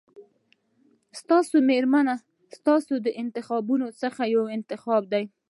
ستا مېرمن ستا د انتخابونو څخه یو انتخاب دی.